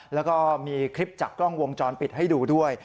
แล้วก็มีคลิปจากกล้องวงจรปิดให้ดูด้วย